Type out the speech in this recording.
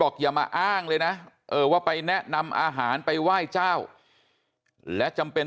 อย่ามาอ้างเลยนะว่าไปแนะนำอาหารไปไหว้เจ้าและจำเป็น